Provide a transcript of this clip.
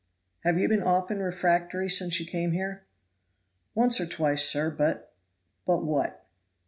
"Have you been often refractory since you came here?" "Once or twice, sir. But " "But what?"